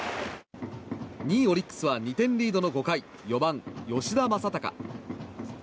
２位、オリックスは２点リードの５回４番、吉田正尚。